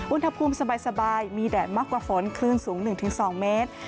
อุณหภูมิสบายมีแดดมากกว่าฝนคลื่นสูง๑๒เมตร